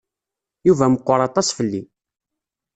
Yuba meqqeṛ aṭas fell-i.